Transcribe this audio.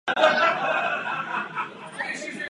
Mnozí odborníci považují kubánskou pomoc za zvláště účinnou.